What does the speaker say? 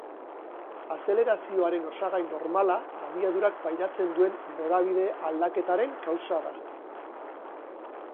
Azelerazioaren osagai normala abiadurak pairatzen duen norabide-aldaketaren kausa da.